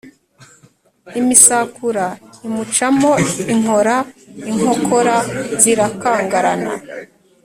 Imisakura imucamo inkora inkokora zirakangarana